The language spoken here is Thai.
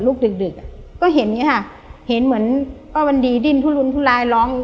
ดึกดึกอ่ะก็เห็นอย่างนี้ค่ะเห็นเหมือนป้าวันดีดิ้นทุลุนทุลายร้อง